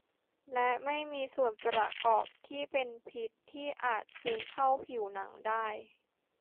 และไม่มีส่วนประกอบที่เป็นพิษที่อาจซึมเข้าผิวหนังได้